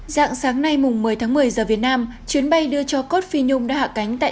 dạng sáng nay mùng một mươi tháng một mươi giờ việt nam chuyến bay đưa cho cốt phi nhung đã hạ cánh tại